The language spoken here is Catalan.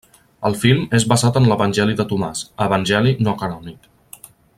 El film és basat en l'Evangeli de Tomàs, evangeli no canònic.